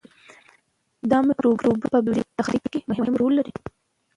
دا مکروبونه په بیولوژیکي تخریب کې مهم رول لري.